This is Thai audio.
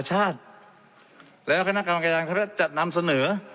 ธรรมชาติแล้วคณะกรรมการธรรมชนิดจำนำเสนอ